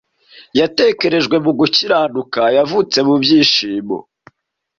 yatekerejwe mu gukiranuka yavutse mu byishimo